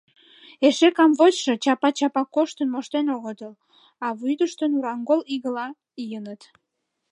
Эше, камвочде, чапа-чапа коштын моштен огытыл, а вӱдыштӧ нурангол игыла ийыныт.